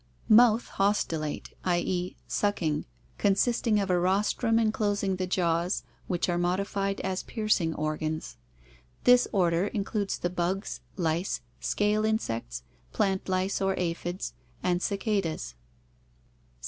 Mouth haustellate, i. <?., sucking, consisting of a rostrum enclosing the jaws, which are modified as piercing organs. This order includes the bugs, lice, scale insects, plant lice or aphids, and cicadas.